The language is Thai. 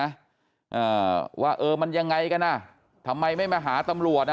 อ่าว่าเออมันยังไงกันอ่ะทำไมไม่มาหาตำรวจอ่ะ